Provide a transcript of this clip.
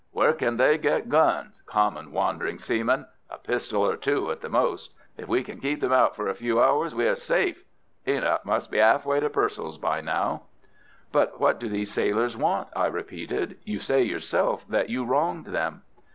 Where can they get guns, common, wandering seamen? A pistol or two at the most. If we can keep them out for a few hours we are safe. Enoch must be 'alfway to Purcell's by now." "But what do these sailors want?" I repeated. "You say yourself that you wronged them."